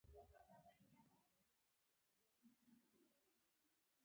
خوب د ستومانو بدن انعام دی